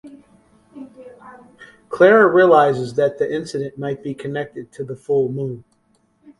Clara realizes that the incident might be connected to the full moon.